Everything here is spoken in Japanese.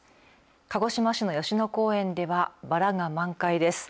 鹿児島市の吉野公園ではばらが満開です。